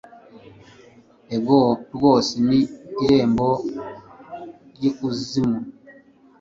ego rwose ni irembo ry'ikuzimu